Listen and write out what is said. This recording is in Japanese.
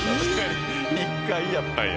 １階やったんや。